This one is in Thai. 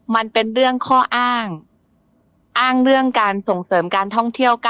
มันเป็นเรื่องข้ออ้างอ้างเรื่องการส่งเสริมการท่องเที่ยว